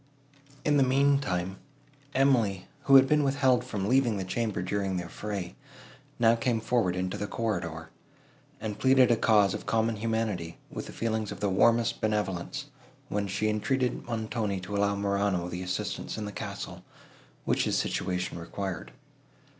In the mean time, Emily, who had been withheld from leaving the chamber during the affray, now came forward into the corridor, and pleaded a cause of common humanity, with the feelings of the warmest benevolence, when she entreated Montoni to allow Morano the assistance in the castle, which his situation required.